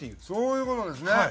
そういう事ですね！